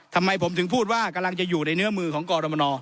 ทำไมผมถึงพูดว่ากำลังจะอยู่ในเนื้อมือของกรมน